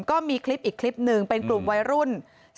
ก็มีคลิปอีกคลิปหนึ่งเป็นกลุ่มวัยรุ่น